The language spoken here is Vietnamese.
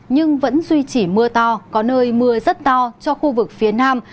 nhưng vẫn duy trì mưa to có nơi mưa rất to cho khu vực phía nam